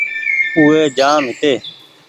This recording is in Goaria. او وي جآم هيتي